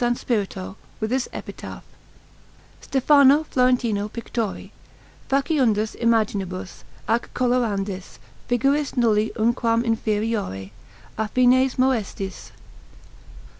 Spirito, with this epitaph: STEPHANO FLORENTINO PICTORI, FACIUNDIS IMAGINIBUS AC COLORANDIS FIGURIS NULLI UNQUAM INFERIORI, AFFINES MOESTISS.